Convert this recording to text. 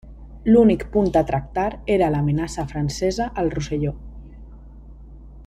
L'únic punt a tractar era l'amenaça francesa al Rosselló.